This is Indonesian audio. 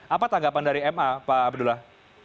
apa tanggapan dari ma pak abdullah